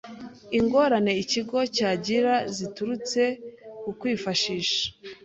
ingorane ikigo cyagira ziturutse ku kwifashisha